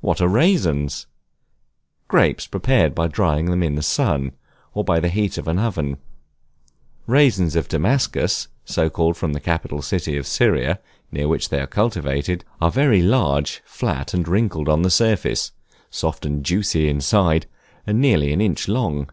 What are Raisins? Grapes prepared by drying them in the sun, or by the heat of an oven. Raisins of Damascus, so called from the capital city of Syria, near which they are cultivated, are very large, flat, and wrinkled on the surface; soft and juicy inside, and nearly an inch long.